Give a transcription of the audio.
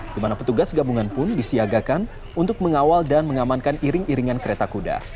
di mana petugas gabungan pun disiagakan untuk mengawal dan mengamankan iring iringan kereta kuda